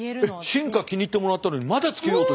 進化気に入ってもらったのにまだ付けようと。